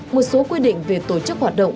một số quy định về tổ chức hoạt động